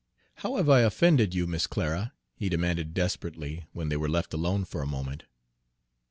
"How have I offended you, Miss Clara?" he demanded desperately, when they were left alone for a moment.